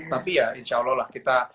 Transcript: tapi ya insya allah lah kita